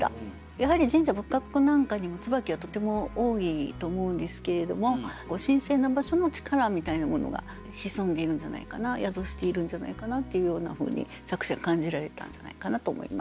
やはり神社仏閣なんかにも椿はとても多いと思うんですけれども神聖な場所の力みたいなものが潜んでいるんじゃないかな宿しているんじゃないかなっていうようなふうに作者感じられたんじゃないかなと思います。